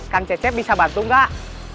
kan cecep bisa bantu enggak